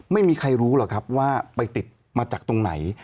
ไม่มีใครรู้หรอกครับว่าไปติดมาจากตรงไหน